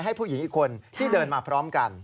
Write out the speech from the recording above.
ให้ผู้หญิงอีกคนที่เดินมาพร้อมกัน